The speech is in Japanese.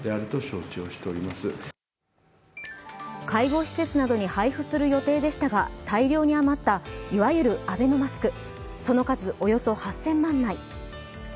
介護施設などに配布する予定でしたが大量に余った、いわゆるアベノマスクその数、およそ８０００万枚。